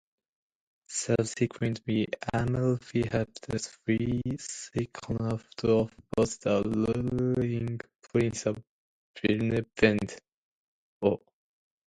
Subsequently, Amalfi helped to free Siconulf to oppose the ruling Prince of Benevento.